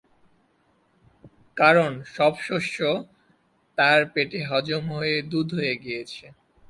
কারণ, সব শস্য তাঁর পেটে হজম হয়ে দুধ হয়ে গিয়েছে।